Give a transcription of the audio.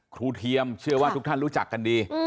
เทียมเชื่อว่าทุกท่านรู้จักกันดี